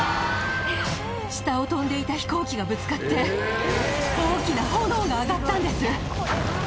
下を飛んでいた飛行機がぶつかって大きな炎が上がったんです。